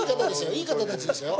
いい方たちでしたよ。